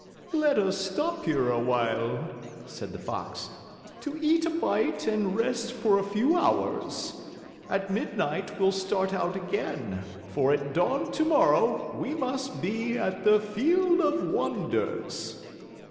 "Let us stop here a while," said the Fox, "to eat a bite and rest for a few hours. At midnight we'll start out again, for at dawn tomorrow we must be at the Field of Wonders."